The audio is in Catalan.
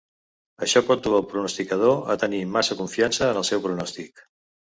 Això pot dur el pronosticador a tenir massa confiança en el seu pronòstic.